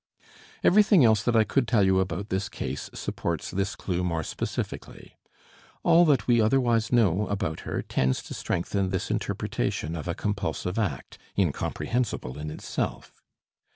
Everything else that I could tell you about this case supports this clue more specifically; all that we otherwise know about her tends to strengthen this interpretation of a compulsive act incomprehensible in itself.